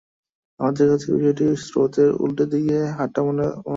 আমাদের কাছে বিষয়টিকে স্রোতের উল্টো দিকে হাঁটা বলে মনে হচ্ছে।